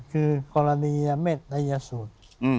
คือกรณียเมฆไทยยสูตร